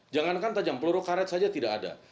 jangankan tajam peluru karet saja tidak ada